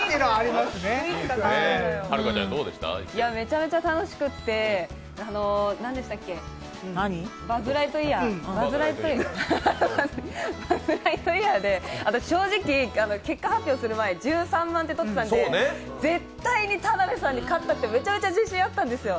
めちゃめちゃ楽しくて、何でしたっけ、バズ・ライトイヤーで、私、正直、結果発表する前、１３万点取ってたんで絶対に田辺さんに勝ったってめちゃめちゃ自信あったんですよ。